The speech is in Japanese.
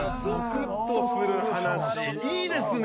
いいですね。